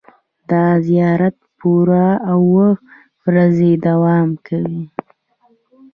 دا زیارت پوره اوه ورځې دوام کوي.